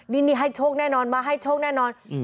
นี่ให้โชคแน่นอนมาให้โชคแน่นอน